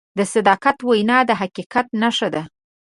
د صداقت وینا د حقیقت نښه ده.